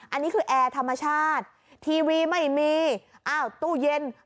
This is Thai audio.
อันนี้คือแอร์ธรรมชาติทีวีไม่มีอ้าวตู้เย็น